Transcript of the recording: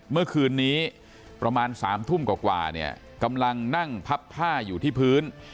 เมื่อคืนนี้ประมาณ๓ทุ่มกว่าเนี่ยกำลังนั่งพับผ้าอยู่ที่พื้น